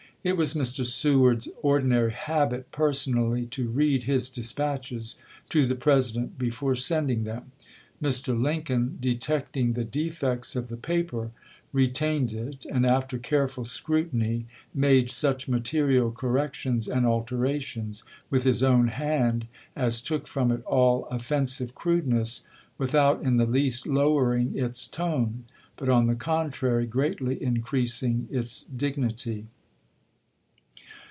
It was Mr. Seward's ordinary habit per 270 ABRAHAM LINCOLN Chap. XV. sonally to read his dispatclies to the President before sending them. Mr. Lincoln, detecting the defects of the paper, retained it, and after careful scrutiny made such material corrections and alter ations with his own hand as took from it all offen sive crudeness without in the least lowering its tone, but, on the contrary, greatly increasing its dignity.